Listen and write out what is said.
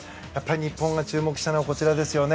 日本が注目したのはこちらですよね。